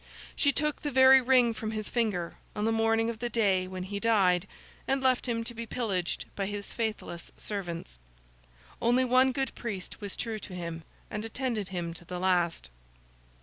She took the very ring from his finger on the morning of the day when he died, and left him to be pillaged by his faithless servants. Only one good priest was true to him, and attended him to the last.